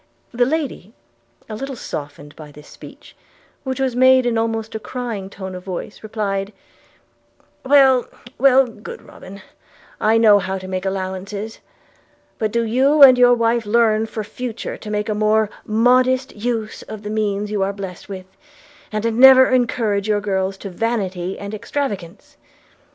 The lady, a little softened by this speech, which was made in almost a crying tone of voice, replied, 'Well well, good Robin, I know how to make allowances; but do you and your wife learn for the future to make a more modest use of the means you are blessed with, and never encourage your girls to vanity and extravagance.